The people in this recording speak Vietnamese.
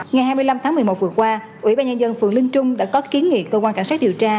ngày hai mươi năm tháng một mươi một vừa qua ủy ban nhân dân phường linh trung đã có kiến nghị cơ quan cảnh sát điều tra